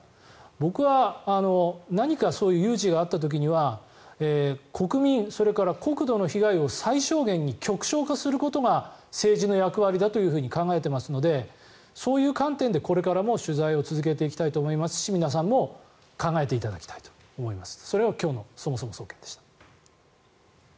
僕は何かそういう有事があった時には国民、それから国土の被害を最小限に、極小化することが政治の役割だというふうに考えていますのでそういう観点でこれからも取材を続けていきたいと思いますし皆さんも考えていただきたいと思います。